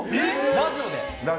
ラジオで。